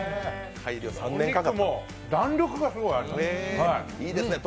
お肉も弾力があります。